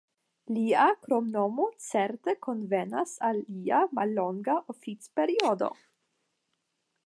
Lia kromnomo certe konvenas al lia mallonga oficperiodo.